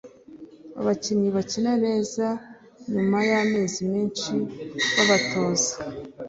Abakinnyi bakina neza nyuma y’amezi menshi tubatoza